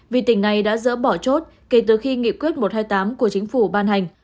vì tỉnh này đã dỡ bỏ chốt kể từ khi nghị quyết một trăm hai mươi tám của chính phủ ban hành